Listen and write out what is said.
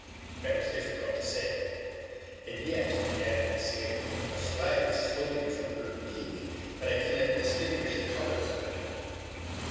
That was difficult to say. "And yet," added the sailor, "a flag is floating from her peak, but I cannot distinguish the colors of it."